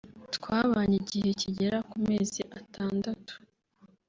“ Twabanye igihe kigera ku mezi atandatu